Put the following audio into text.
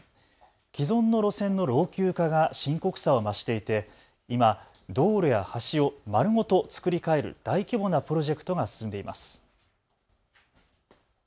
既存の路線の老朽化が深刻さを増していて今、道路や橋を丸ごと造り替える大規模なプロジェクトが進んでいます。